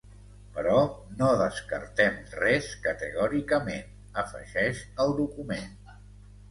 Però no descartem res categòricament, afegeix el document.